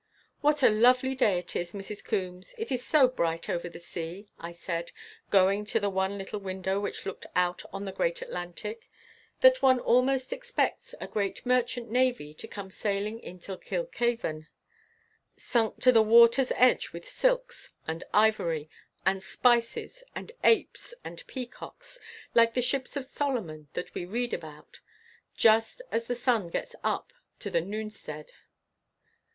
"What a lovely day it is, Mrs. Coombes! It is so bright over the sea," I said, going to the one little window which looked out on the great Atlantic, "that one almost expects a great merchant navy to come sailing into Kilkhaven sunk to the water's edge with silks, and ivory, and spices, and apes, and peacocks, like the ships of Solomon that we read about just as the sun gets up to the noonstead."